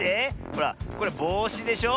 ほらこれぼうしでしょ。